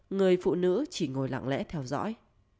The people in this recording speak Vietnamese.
người phụ nữ chỉ ngồi lặng lẽ theo dõi